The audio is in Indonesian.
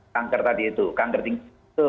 kanker tadi itu kanker tinggi itu